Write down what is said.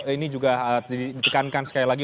ini juga ditekankan sekali lagi